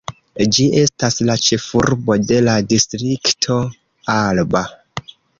Ĝi estas la ĉefurbo de la Distrikto Alba.